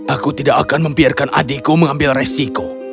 aku tidak akan membiarkan adikku mengambil resiko